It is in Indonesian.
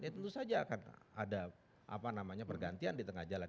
tentu saja akan ada pergantian di tengah jalan